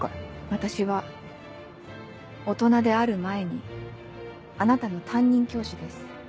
私は大人である前にあなたの担任教師です。